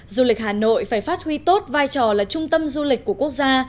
du lịch hà nội phải phát huy tốt vai trò là trung tâm du lịch của quốc gia